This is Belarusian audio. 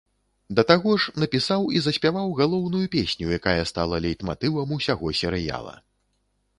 Да таго ж, напісаў і заспяваў галоўную песню, якая стала лейтматывам усяго серыяла.